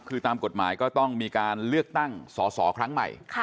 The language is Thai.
คือตามกฎหมายก็ต้องมีการเลือกตั้งสอสอครั้งใหม่